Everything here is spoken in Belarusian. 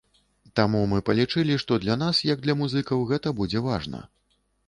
Таму мы палічылі, што для нас, як для музыкаў, гэта будзе важна.